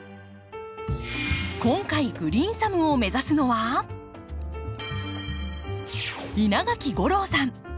今回グリーンサムを目指すのは稲垣吾郎さん！